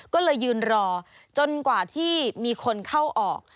ก็เลยยืนรอจนกว่าที่มีคนเข้าออก